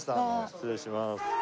失礼します。